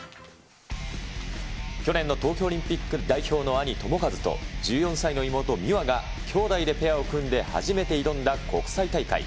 去年の東京オリンピック代表の兄、智和と１４歳の妹、美和が兄妹でペアを組んで初めて挑んだ国際大会。